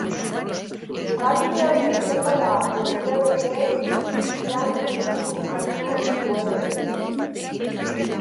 Igandean beteko da urtebete tibian min hartu zuenetik.